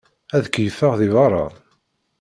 Ad keyfeɣ di berra.